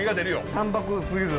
淡泊すぎずね